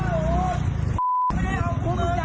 ไอ้โอ้มมึงจะเอากูเปล่า